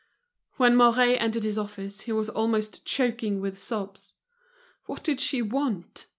When Mouret entered his office he was almost choking with sobs. What did she want?